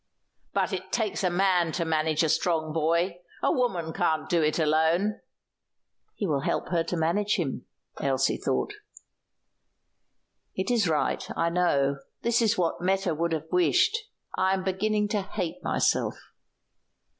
"But it takes a man to manage a strong boy. A woman can't do it alone." "He will help her to manage him," Elsie thought. "It is right, I know. This is what Meta would have wished. I am beginning to hate myself."